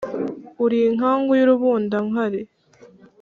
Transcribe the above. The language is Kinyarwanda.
uri inkangu y'urubundankari